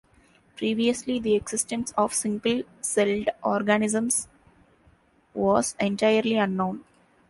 Previously, the existence of single-celled organisms was entirely unknown.